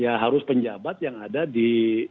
ya harus penjabat yang ada di